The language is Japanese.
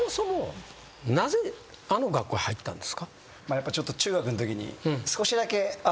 やっぱちょっと中学のときに。